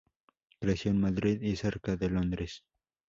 Creció en Madrid y cerca de Londres.